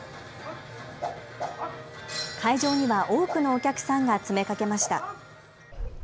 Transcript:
会場には多くのお客さんが詰めかけました。